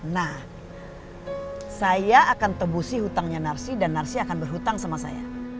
nah saya akan tembusi hutangnya narsy dan narsy akan berhutang sama saya